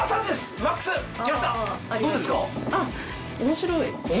面白い？